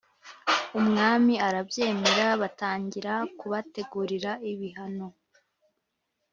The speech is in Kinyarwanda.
umwami arabyemera. batangira kubategurira ibihano.